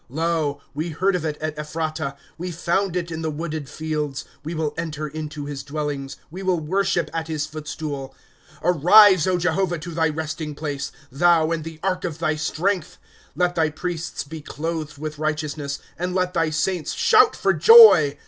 * Lo, we heard of it at Ephratah ; We found it in the wooded fields. ' We will enter in to his dwellings. We will worship at his footstool. ^ Arise, Jehovah, to thy resting place, Thou, and the ark of thy strength. ^ Let thy priests be clothed with righteousness, And let thy saints shout for joy.